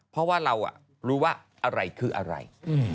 เพราะว่าเรารู้ว่าอะไรคืออะไร